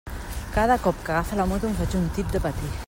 Cada cop que agafa la moto em faig un tip de patir.